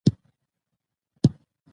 ننګرهار د افغان ځوانانو لپاره دلچسپي لري.